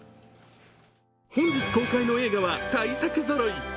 本日公開の映画は大作ぞろい。